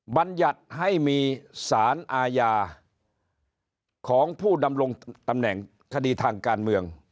บรรยัติให้มีสารอาญาของผู้ดำรงตำแหน่งคดีทางการเมือง